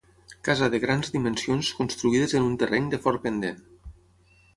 Casa de grans dimensions construïdes en un terreny de fort pendent.